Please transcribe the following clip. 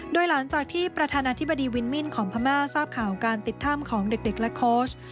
โดยหลังจากที่ประธานาธิบดีวินมินของพม่าทราบข่าวการติดถ้ำของเด็กและโค้ช